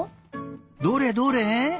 どれどれ？